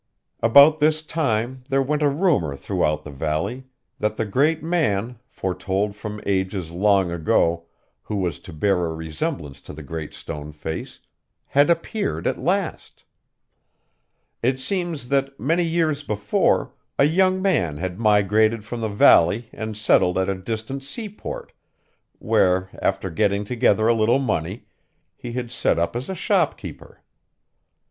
About this time there went a rumor throughout the valley, that the great man, foretold from ages long ago, who was to bear a resemblance to the Great Stone Face, had appeared at last. It seems that, many years before, a young man had migrated from the valley and settled at a distant seaport, where, after getting together a little money, he had set up as a shopkeeper.